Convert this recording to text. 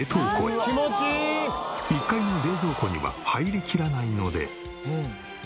１階の冷蔵庫には入りきらないので。